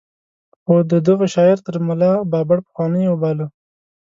خو ده دغه شاعر تر ملا بابړ پخوانۍ وباله.